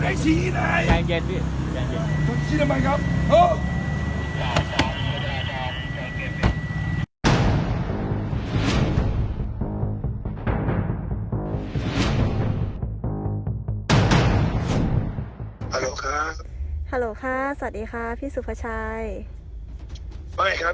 ฮัลโหลค่ะฮัลโหลค่ะสวัสดีค่ะพี่สุภาชายว่าไงครับ